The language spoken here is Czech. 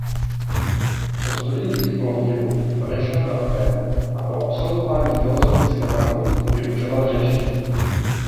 Po studiích v Plovdivu odešel do Athén a po absolvování filosofické fakulty vyučoval řečtinu.